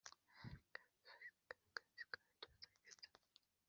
Bamutera amabuye arapfa uko uwiteka yategetse